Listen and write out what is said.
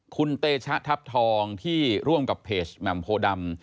คุณเตชะทัพทองที่ร่วมกับเพจแหม่มโพดำ